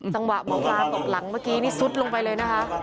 จังหวะหมอปลาตบหลังเมื่อกี้นี่ซุดลงไปเลยนะคะ